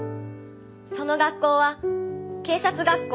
「その学校は警察学校」